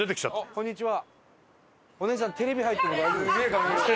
こんにちは。